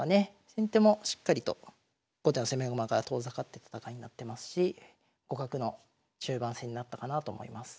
先手もしっかりと後手の攻め駒から遠ざかって戦いになってますし互角の中盤戦になったかなと思います。